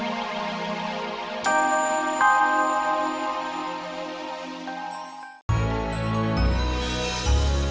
kerjain orang lu salah aja kamu cuy